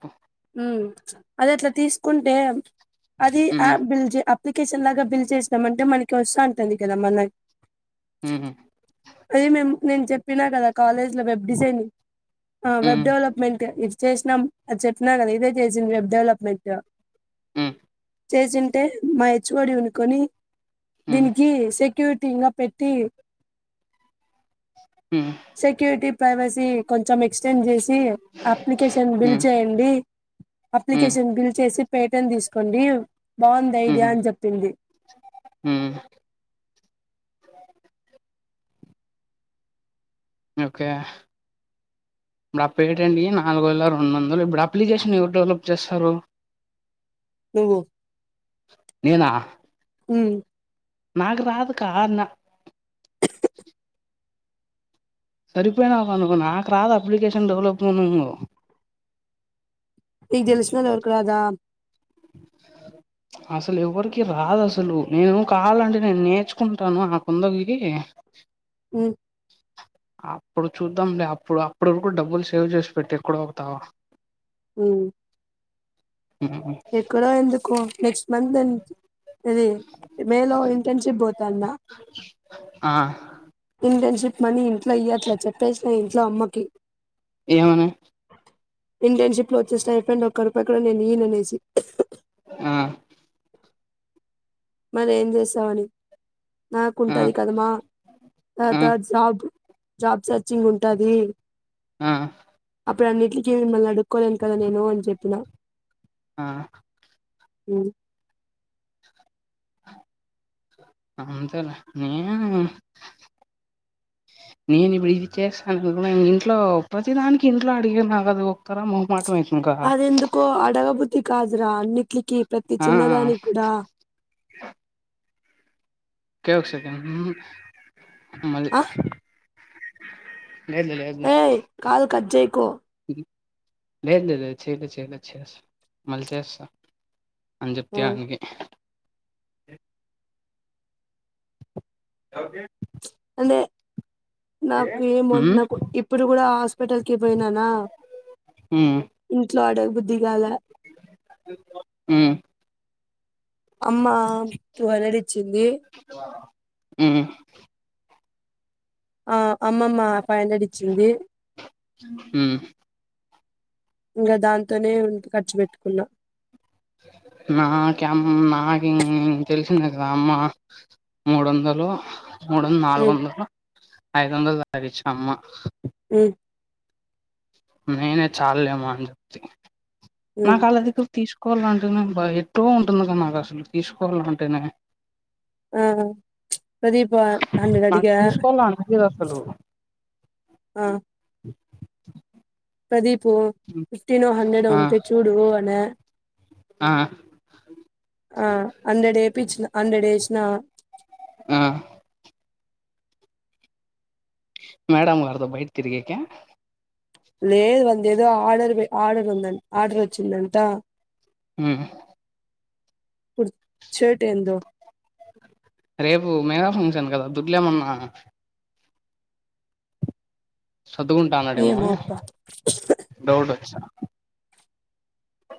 ఆ [unintelligible] ఉమ్ అది అట్లా తీసుకుంటే అది ఆ హ్మ్. బిల్జ అప్లికేషన్ లాగా బిల్ చేస్తామంటే మనకి వస్త ఉంటుంది కదా మనకి ముహు అదే మేము నేను చెప్పినా కదా కాలేజ్ లో వెబ్ డిజైనింగ్ వెబ్ హ్మ్. డెవలప్మెంట్ ఇది చేసినాం అది చెప్ప చెన్నా కదా ఇదే చేసింది వెబ్ డెవలప్మెంట్ హ్మ్. చేసింటే మా హెచ్ఓడి ఉనుకొని హ్మ్. దీనికి సెక్యూరిటీగా పెట్టి హ్మ్. సెక్యూరిటీ ప్రైవసీ కొంచెం ఎక్స్టెండ్ చేసి అప్లికేషన్ బిల్ హ్మ్. చేయండి హ్మ్. అప్లికేషన్ బిల్ చేసి పేటెన్ తీసుకోండి బావుంది ఐడియా అని హ్మ్. చెప్పింది హ్మ్. ఇప్పుడు ఆ పెటంట్కి నాలుగు వేల రెండు వందలు ఇప్పుడు అప్లికేషన్ ఎవరు డెవలప్ చేస్తారు పో నేనా నాకు రాదు కారున్నా సరిపోయినా ఒక అనుకో నాకు రాదు అప్లికేషన్ డెవలప్ అంది న తెలష్మలువకు రాద అసలు ఎవ్వరికి రాదు అసలు నేను కావాలంటే నేను నేర్చుకుంటాను నా కుందకి కు అప్పుడు చూద్దాంలే అప్పుడు అప్పుటి వరకు డబ్బులు సేవ్ చేసి పెట్టి ఎక్కడ పోతావ హ ఎక్కడో ఎందుకు నెక్స్ట్ మంత్ అది మేలో ఇంటర్న్షిప్ పోతాన్న ఆ ఇంటర్న్షిప్ మనీ ఇ పలహ్యలాచ పేస్ట్ ఇంట్లో అమ్మకి ఏ మ ఇంటర్న్షిప్ లో వచ్చేస్త అయిపోడి ఒక్క రూపాయి కూడా నేను ఈయన అనేసి ఆ మరి ఏం చేసామని ఆ! నాకుంటది కదమ్మా ఆ! తత జాబ్ జాబ్ సర్చింగ్ ఉంటుది ఆ అప్పుడు అన్నింటికి మిమ్మల్ని అడుక్కకోలేను కదా నేను అని చెప్పిన ఆ అ అంతేలే నేను నేను ఇప్పుడు ఇది చేస్తాను కు ఇంట్లో ప్రతిదానికి ఇంట్లో అడిగీనా కదు ఒక్కార మో మాట అదే ఎందుకో అడగ బుద్ కాదు రా అన్ ట్కి ప్రతి ఆ చిన్నదాని కూడా కేవు సక మది ఆ ఏయ్ కాల్ కట్చేకు లేదు లేదు చేయలే చేయలే చేస్తా మళ్ళీ చేస్తా అని చెప్తే ఆనికి [inaudible] [inaudible] అదే నాకు ఏమో ఉమ్ నాకు ఇప్పుడు కూడా హాస్పిటల్కి పోయినానా ఉమ్ ఇంట్లో అడగ బుద్ధిగాల ఉమ్ అమ్మా ట్వివెల్ హండ్రెడ్ డిచ్చింది ఉమ్ ఆ అమ్మమ్మ ఫైవ్ హండ్రెడ్ ఇచ్చింది ఉమ్. ఇంకా దాంతోనే ఖర్చు పెట్టుకున్నా నాక్ అమ్మ నాకు తెలిసిందే కదా అమ్మ మూడు వందలు మూడ ఉమ్ నాలుగుొందలు ఐదు వందలు దాకిచ్చ అమ్మ ఉ నేనే చాల్ లే మ అని చెప్తి ఉమ్ నాకుళ దగ్ర తీసుకు తీసుకోవాలంటేనే బా ఎటో ఉంటుంది కదా నాకు అసలు తీసుకోవాలంటేనే ఆ ప్రదీపా హండ్రెడ్ నాకు అడిగా తీసుకోవాల అనిపియదు అసలు ఆ [inaudible] ప్రదీప్ ఉమ్ ఫిఫ్టీన్ హండ్రెడ్ ఆ ఉంటే చూడు అనే ఆ ఆ హండ్రెడ్ వేపిచ్చిన హండ్రెడ్ వేసిన ఆ మేడంమ్ గారితో బయట తిరిగే క లేదు వన్ ది ఏదో ఆర్డర్ ఆర్డర్ ఉంద ఆర్డర్ వచ్చిందంట హ్ కుర్షర్ట్ ఏందో రేపు మేగా ఫంక్షన్ కదా దుడ్లే ఏమన్నా చర్దువుకుంటా అన్నాడేమో ఏమో గాని అబ్బా డౌట్ వోచ్చా ఓ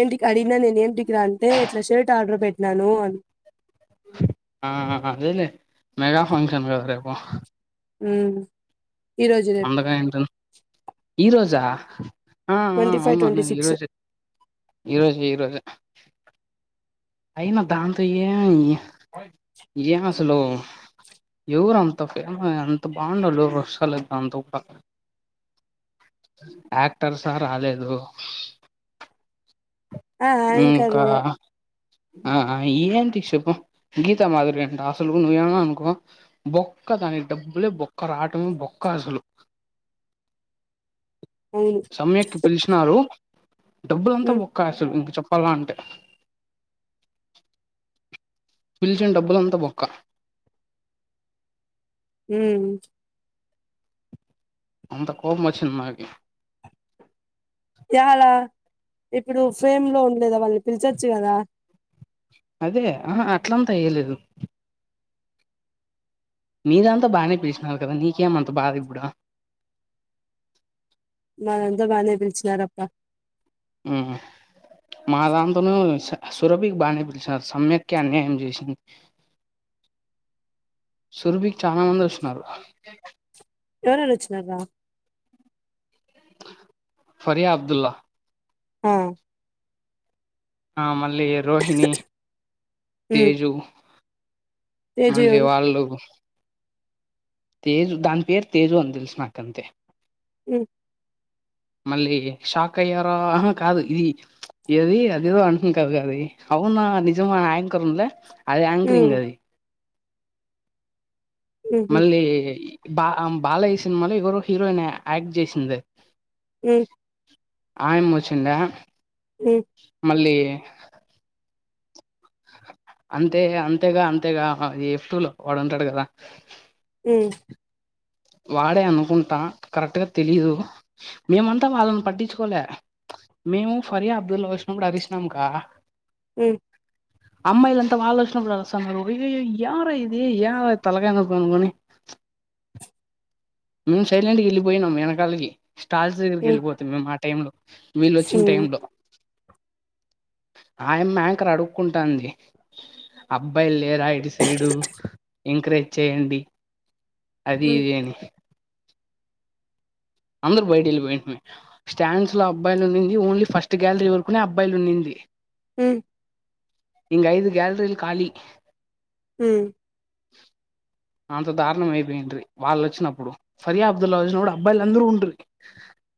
ఏం డికి అడిగినా నేను ఎమ్ డిక అంటే ఇట్లా షర్ట్ ఆర్డర్ పెట్టినాను అన్న ఆ అదేలే మెగా ఫంక్షన్ కదా రేపు హ్ అందుగా ఇంట ఉన్నావు. ఈ రోజా ఆ ఆ ట్వంటీ ఫైవ్ ట్వంటీ అవునుమా ఈ సిక్స్ రోజె ఈ రోజె ఈ రోజే అయినా దాంతో ఏమీ ఏం అసలు ఎవరు అంత ఫేమ్ అంత బాగుండరూ అసలు దాంతోప్పా యాక్టర్స రాలేదు. ఆ అ ఏం కాదు ఇంకా ఆ ఏంటి చెప్పు గీతా మాధురి అంటే అసలు నువ్వేనాన్న అనుకో బొక్క దానికి డబ్బులే బొక్క రావటమే బొక్క అసలు అవును సమ్యక్కి పిలిచినారు డబ్బులంతా హ్మ్ బొక్క అసలు చెప్పాల అంటే పిలిచిన డబ్బులంతా బొక్క హ్ అంత కోపం వచ్చింది. నాకి ఎవలా ఇప్పుడు ఫేమ్ లో ఉండలేద వాళ్ళని పిలుచొచ్చు కదా అదే ఆహా అట్లంతా అయ్యలేదు. మీరంతా బాగానే పిలిచినరూ కదా నీకేమంత బాధ ఇప్పుడు మనంతా బానే పిలీచినారప్ప హ్ మా దాంతోన సురభికి బాగానే పిలిచినారు. సమ్యాక్కె అన్యాయం చేసింది. సురభికి చానా మంది వొచ్చిన్నారు. ఎవరూ ఎవరు వచ్చిన్నరా ఫరియా అబ్దుల్లా హ ఆ మళ్ళీ రోహిణి హ్మ్ తేజు తేజు మళ్ళీ ఎవరు వాళ్ళు తేజు దాని పేరు తేజు అని తెలుసు నాకంతే హ్ మళ్ళీ షాక్ అయ్యారా కాదు ఇది ఏది అదదో అంటం కదు. అది అవునా నిజమా యాంకర్ ఉండ్లే అది హ్మ్ యాంకరింగ్ అది హుహు మళ్ళీ బా బాలయ్యా సినిమాలో ఎవరో హీరోయిన్ యాక్ట్ జెసింది. హ్ ఆయమ్మీ వోచ్చిందా మళ్ళీ [unintelligible] అంతే అంతేగా అంతేగా ఎఫ్ టూ లో వాడు ఉంటాడు కదా [unintelligible] వాడే అనుకుంటా కరెక్ట్గా తెలీయదు మేమంతా వాళ్ళని పట్టించుకోలే మేము ఫరియా అబ్దుల్ వచ్చినప్పుడు అరిసినాంకా అ అమ్మాయిలంతా వాలో వచినప్పుడు అలుస్తన్నారుా అయ్యాయో యారా ఇది యారా తల కాయ నొప్పి అనుకని మేము సైలెంట్కి వెళ్ళిపోయినాం వెనకాలకి స్టాల్స్ దగ్గరికి హ్మ్ వెళ్ళిపోతాం మేము ఆ టై లో వీళ్ళు వచ్చిన టై హ్మ్ లో ఆయమ్మ యాంకర్ అడుగుకుంటాన్ది అబ్బాయి లే రా ఇటి సైడు ఎంకరేజ్ చేయండి అది హ్మ్ ఇది అని అందరుూ బయట వెళ్ళియి స్టాండ్స్ లో అబ్బాయిలు ఉంది ఓన్లీ ఫస్ట్ గ్యాలరీ వరకునే అబ్బాయిలు ఉన్నింది హ ఇంగ్ ఐదు గ్యాలరీ లు కాలిీ హ అంత దారుణం అయిపోయిండ్రి వాళ్ళు వచ్చినప్పుడు ఫర్యా అబ్దుల్లా కూడా అబ్బాయిలు అందరూ ఉండ్రి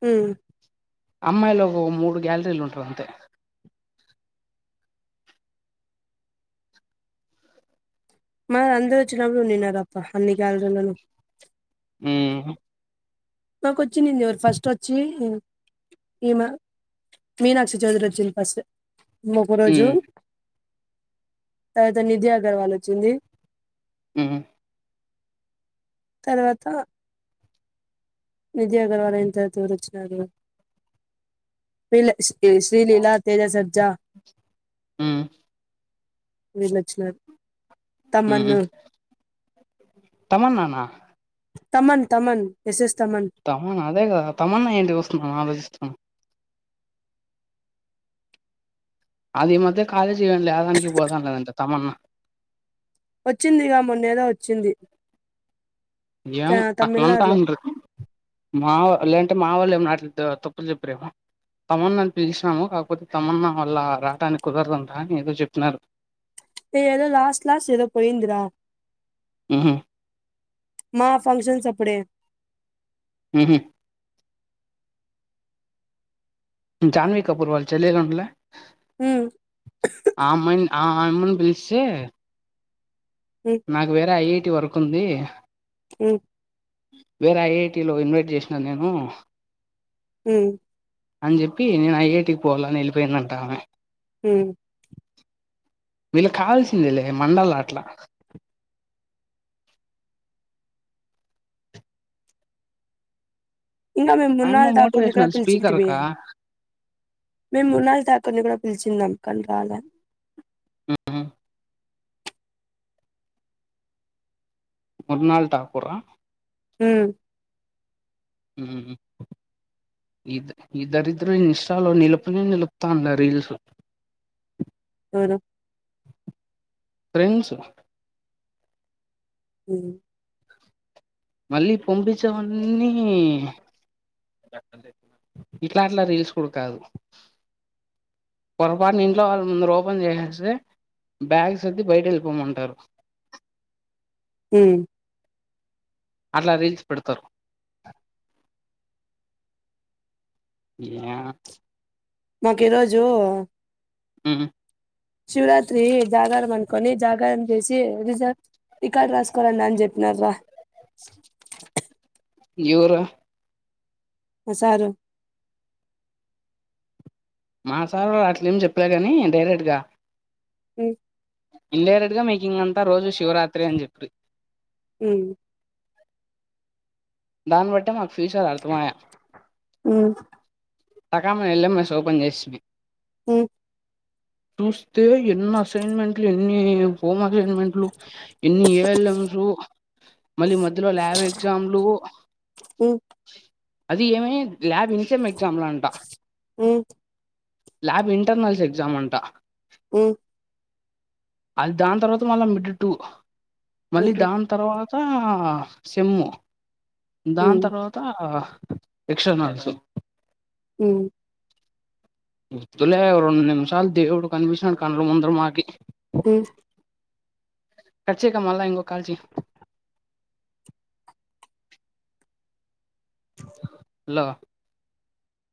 హ అమ్మాయిలో ఒక మూడు గ్యాలరీలు ఉంటారు అంతే మరి అందరూ వచ్చినప్పుడు ఉండిన్నారుారప్ప అన్ని గ్యాలరీ లో ను ఆ మాకు వచ్చిందింది ఎవరు ఫస్ట్ వచ్చి ఈ మా మీనాక్షి చౌదరి వచ్చింది ఫస్ట్ ముప్ప రోజు ఉమ్. తర్వాత నిధి అగర్వాల్ వచ్చింది ఆ తర్వాత నిద అగర్వాాలైన తరవాత ఎవరు వచ్చినారు వీళ్లే ఏ శ్రీ లీలా తేజ సజా హ్మ్ వీళ్ళు వనచ్చినారు ఉ హ్ తమన్నానా తమన్ తమన్ ఎస్ ఎస్ తమన్ అదే కదా తమన్నా ఏంటికి వస్తుంది అని ఆలోచిస్తూ [unintelligible] అది ఈ మధ్య కాలేజీ ఇవెంట్ ఆదానికి పోతాంలేదంటే తమన్నా వచ్చిందిగా మొన్నేదో వచ్చింది ఏమో త- అట్లా అంట తమిళనాడులో ఉండ్రి మాఓ లేదంటే మా వాళ్ళు ఏమో రావట్లే దో తప్పులు చెప్పరేమో తమన్నా అని పిలిచినాము కాకపోతే తమన్నా వాళ్ళ రావటానికి కుదరదంటా అని ఏదో చెప్పిన్నారు ఏదో లాస్ట్ లాస్ట్ ఏదో పోయిందిరా ఉహు మా ఫంక్షన్స్ అప్పుడే హ్ హ్ ఉ జాన్వీ కపూర్ వాల్ చెల్లెలుండ్లే ఉమ్, ఆ అమ్మాయిను ఆ అమ్మని పిలిస్తే ఉమ్, నాకు వేరే ఐఐటి వర్క్ ఉంది ఊ వేరే ఐఐటిలో ఇన్వైట్ చేసినా నేను ఊ అని చెప్పి నేను ఐఐటికి పోవాల అని చూపి వెళ్ళిపోయిందంటా ఆమె ఉమ్. వీళ్ళ కావాల్సిందేలే మండళ్ల అట్లా ఇంగా మేము ఆయమ్మ మృణాళ్ ఠాకూర్ కూడా మోటివేషనల్ స్పీకర్ పిలిచింటిమి అక్క మేము మృణాళ్ ఠాకూర్ ఇక్కడా పిలిచింది అందుకని రల మర్నాల్ ఠాకురా ఊ ఉ ఉ ఈఈ దరిద్రం ఇన్స్టాలో నిలుపనే నిలుపుతా రీల్స్ ఎవరు ఫ్రెండ్స్ ఉ ఉ ఉ మళ్ళీ పంపించవన్నీ ఇట్లా అట్లా రీల్స్ కూడా కాదు పొరపాటుని ఇంట్లో వాళ్ళ ముందర ఓపెన్ చేస్తే బ్యాగ్స్ సర్ది బయట ఎళ్ళిపోమంటారు ఊ అట్లా రీల్స్ పెడతరు ఆ యా మాకు ఈరోజు ఉమ్ శివరాత్రి జాగారాం అనుకొని జా గరం చేసి రిజర్ రికార్డు రాసుకోరండ అని చెప్పినార రా ఎవరా అ సారు మా సార్ అట్లే ఏమి చెప్పలే కాని డైరెక్ట్ గా ఉమ్ ఇన్ డైరెక్ట్ గా మీకు ఇంకా రోజు షి శివరాత్రి అని చెప్పిర్రు ఉమ్ దాని బట్టి మాకు ఫ్యూచర్ అర్థం ఆయా ఉమ్ టకమాని వెళ్ళాం ఎస్ ఓపెన్ చేస్తిమి ఉమ్ చూష్ తే ఎన్ని అసైన్మెంట్లు ఎన్ని హోమ్ అసైన్మెంట్లు ఎన్ని ఏఎల్ఎమ్సు మళ్ళీ మధ్యలో ల్యాబ్ ఎగ్జామ్లు ఉ అది ఏమ ల్యాబ్ ఇంచే మ్ చంళంట ఉమ్ ల్యాబ్ ఇంటర్నల్స్ ఎగ్జామ్ అంటా ఉమ్ అది దాని తర్వాత మళ్ళా మిడడ్బడ్బటటు మళ్ళీ ఉమ్ దాని తర్వాత తా సెమ్ము దాని ఉమ్ తర్వాత ఆ ఎక్స్టర్నల్స్ ఉమ్ వద్దులే ఓ రెండు నిమిషాలు దేవుడు కనిపించినాడు కళ్ళ ముందర మాకి ఉమ్ కర్చీక మళ్ళి ఇంకో కాల్ చెయ్ హలో